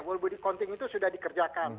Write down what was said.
worl body counting itu sudah dikerjakan